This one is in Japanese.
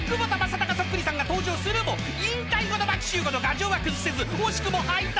そっくりさんが登場するも引退後の牧秀悟の牙城は崩せず惜しくも敗退］